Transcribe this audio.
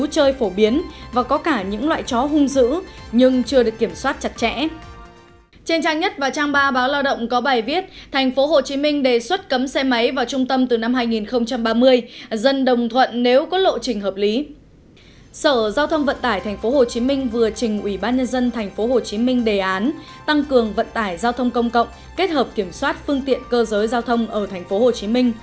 sở giao thông vận tải tp hcm vừa trình ubnd tp hcm đề án tăng cường vận tải giao thông công cộng kết hợp kiểm soát phương tiện cơ giới giao thông ở tp hcm